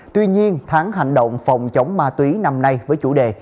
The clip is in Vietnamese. tuy nhiên tháng hành động phòng chống ma túy năm nay với chủ đề